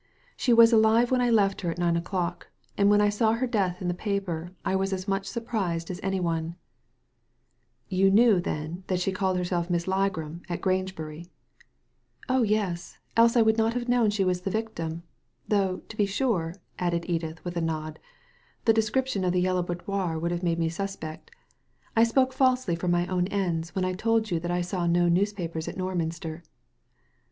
" She was alive when I left her at nine o'clock, and when I saw her death in the paper I was as much surprised as any one." Digitized by Google AN EXPLANATION 175 '•You knew, then, that she called herself Miss Ligram at Grangebury ?" "Oh yes, else I would not have known she was the victim. Though, to be sure," added Edith, with a nod, "the description of the Yellow Boudoir would have made me suspect. I spoke falsely for my own ends when I told you that I saw no newspapers at Norminster."